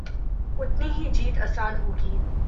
اتنی ہی جیت آسان ہو گی۔